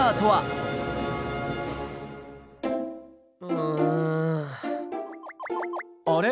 うん。あれ？